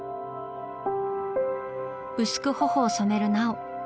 うすく頬を染める奈緒。